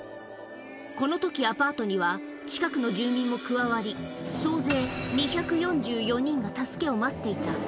このとき、アパートには近くの住民も加わり、総勢２４４人が助けを待っていた。